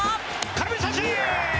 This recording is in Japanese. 空振り三振！